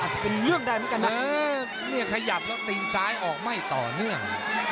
จะเป็นเรื่องได้เหมือนกันนะเนี่ยขยับแล้วตีซ้ายออกไม่ต่อเนื่อง